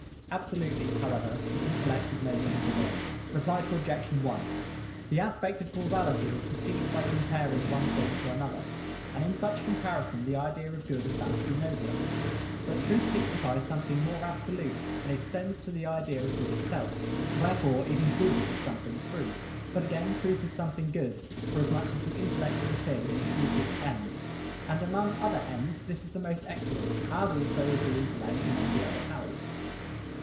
Absolutely, however, the intellect is nobler than the will. Reply Obj. 1: The aspect of causality is perceived by comparing one thing to another, and in such a comparison the idea of good is found to be nobler: but truth signifies something more absolute, and extends to the idea of good itself: wherefore even good is something true. But, again, truth is something good: forasmuch as the intellect is a thing, and truth its end. And among other ends this is the most excellent: as also is the intellect among the other powers.